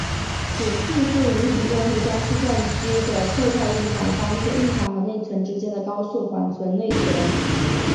此技术允许用户将计算机的固态硬盘当做硬盘和内存之间的高速缓存内存。